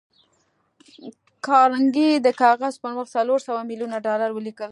کارنګي د کاغذ پر مخ څلور سوه ميليونه ډالر ولیکل